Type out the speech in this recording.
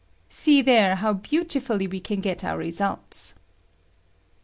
] See there how beautifully we can get our re sults.